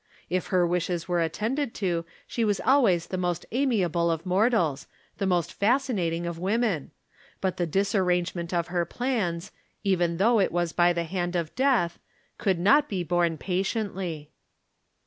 If her wishes were attended to, she was always the most amia ble of mortals — the most fascinating of women — but the disarrangement of her plans, even though it was by the hand of death, could not be borne patiently.